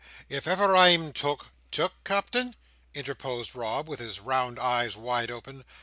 If ever I'm took—" "Took, Captain!" interposed Rob, with his round eyes wide open.